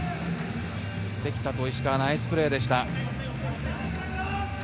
関田と石川ナイスプレーでした。